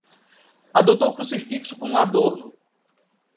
Adotou o crucifixo como adorno